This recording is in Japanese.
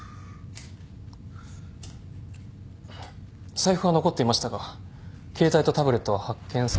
財布は残っていましたが携帯とタブレットは発見されていません。